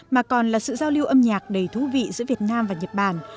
mà còn là sự giao lưu âm nhạc đầy thú vị giữa việt nam và nhật bản